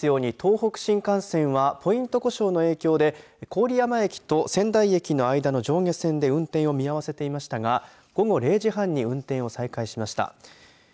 お伝えしていますように東北新幹線はポイント故障の影響で郡山駅と仙台駅の間の上下線で運転を見合わせていましたが午後０時半に運転を再開しました。